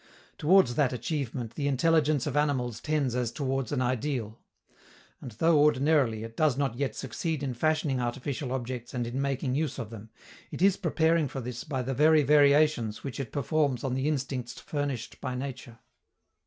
Towards that achievement the intelligence of animals tends as towards an ideal. And though, ordinarily, it does not yet succeed in fashioning artificial objects and in making use of them, it is preparing for this by the very variations which it performs on the instincts furnished by nature.